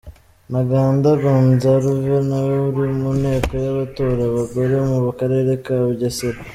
Ntaganda Gonzarve nawe uri mu nteko y’abatora abagore mu karere ka Bugesera.